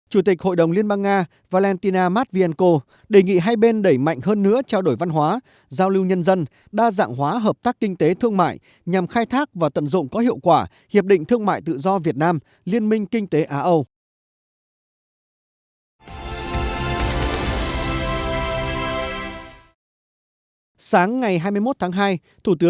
chủ tịch hội đồng liên bang nga valentina matvienko đề nghị hai bên đẩy mạnh hơn nữa trao đổi văn hóa giao lưu nhân dân đa dạng hóa hợp tác kinh tế thương mại nhằm khai thác và tận dụng có hiệu quả hiệp định thương mại tự do việt nam liên minh kinh tế á âu